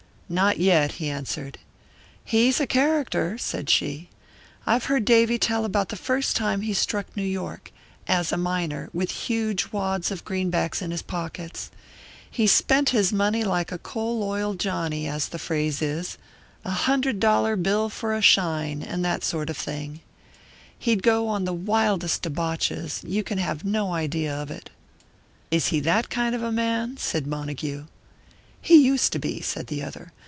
"Not yet," he answered. "He's a character," said she. "I've heard Davy tell about the first time he struck New York as a miner, with huge wads of greenbacks in his pockets. He spent his money like a 'coal oil Johnny,' as the phrase is a hundred dollar bill for a shine, and that sort of thing. And he'd go on the wildest debauches; you can have no idea of it." "Is he that kind of a man?" said Montague. "He used to be," said the other.